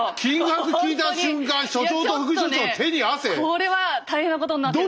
これは大変なことになってるぞと。